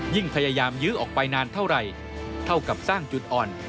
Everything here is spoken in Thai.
พยายามยื้อออกไปนานเท่าไหร่เท่ากับสร้างจุดอ่อน